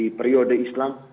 di periode islam